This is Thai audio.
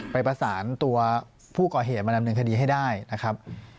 ไปประสานตัวผู้ก่อเหตุมาดำเนินคดีให้ได้นะครับ